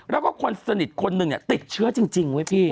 แล้วก็คนสนิทคนหนึ่งติดเชื้อจริงเว้ยพี่